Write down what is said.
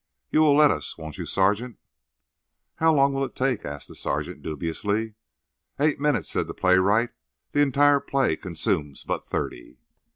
You will let us, won't you, sergeant?" "How long will it take?" asked the sergeant, dubiously. "Eight minutes," said the playwright. "The entire play consumes but thirty."